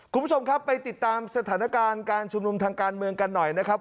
คุณผู้ชมครับไปติดตามสถานการณ์การชุมนุมทางการเมืองกันหน่อยนะครับ